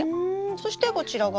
そしてこちらが？